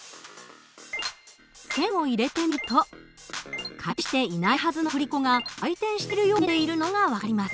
線を入れてみると回転していないはずの振り子が回転しているように見えているのが分かります。